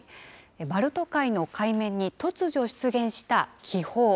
バルト海の海面に突如出現した気泡。